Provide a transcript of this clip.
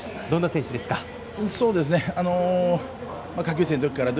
どんな選手ですか。